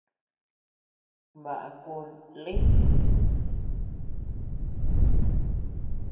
Baʼa kun lï.